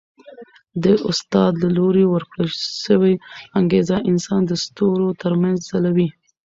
د استاد له لوري ورکړل سوی انګېزه انسان د ستورو تر منځ ځلوي.